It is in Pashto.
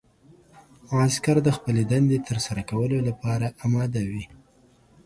عسکر د خپلې دندې ترسره کولو لپاره اماده وي.